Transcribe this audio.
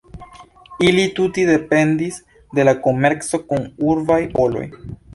Ili tute dependis de la komerco kun urbaj popoloj.